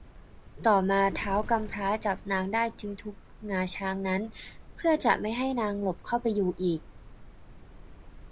ต่อมาท้าวกำพร้าจับนางได้จึงทุบงาช้างนั้น เพื่อจะไม่ให้นางหลบเข้าไปอยู่อีก